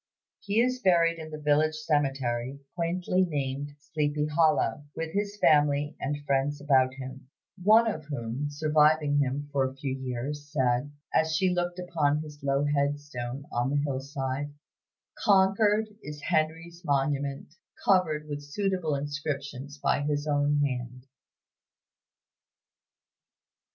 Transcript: He is buried in the village cemetery, quaintly named "Sleepy Hollow," with his family and friends about him; one of whom, surviving him for a few years, said, as she looked upon his low head stone on the hillside, "Concord is Henry's monument, covered with suitable inscriptions by his own hand."